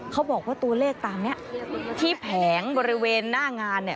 เขาบอกว่าตัวเลขตามนี้ที่แผงบริเวณหน้างานเนี่ย